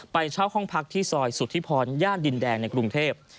ไปเช่าห้องพักที่ซอยสุธิพรย่านดินแดงในกรุงเทพ